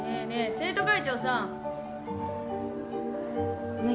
生徒会長さん何？